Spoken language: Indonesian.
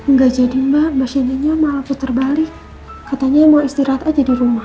nggak jadi mbak mas ininya malah puter balik katanya mau istirahat aja di rumah